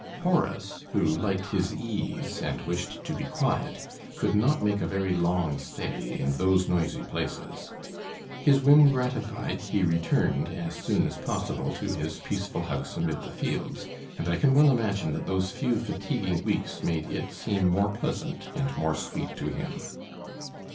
Horace, who liked his ease and wished to be quiet, could not make a very long stay in those noisy places. His whim gratified, he returned as soon as possible to his peaceful house amid the fields, and I can well imagine that those few fatiguing weeks made it seem more pleasant and more sweet to him.